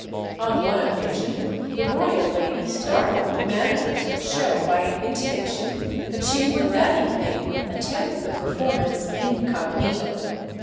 On one occasion the royal lady startled the managers of the show by an intimation that she would that evening attend the performance incognito.